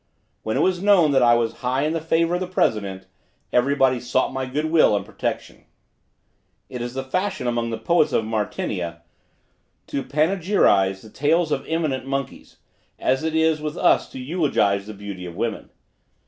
When it was known that I was high in the favor of the president, everybody sought my good will and protection. It is the fashion among the poets of Martinia to panegyrize the tails of eminent monkeys, as it is with us to eulogize the beauty of women.